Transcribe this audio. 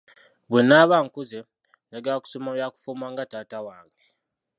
Bwe naaba nkuze njagala kusoma byakufumba nga taata wange.